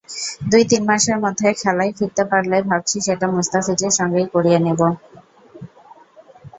দুই-তিন মাসের মধ্যে খেলায় ফিরতে পারলে ভাবছি সেটা মুস্তাফিজের সঙ্গেই করিয়ে নেব।